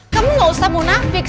kamu gak usah munafik